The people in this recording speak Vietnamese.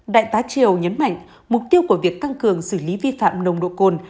đại tá triều nhấn mạnh mục tiêu của việc tăng cường xử lý vi phạm nồng độ cồn